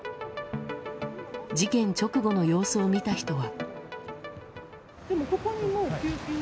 事件直後の様子を見た人は。